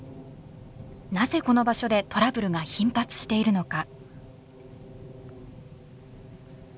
なぜこの場所でトラブルが頻発しているのか。